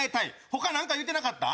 他なんか言うてなかった？